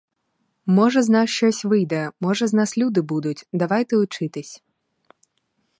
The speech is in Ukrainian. Може, з нас щось вийде, може, з нас люди будуть, давайте учитись.